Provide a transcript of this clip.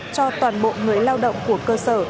cho toàn bộ người lao động của cơ sở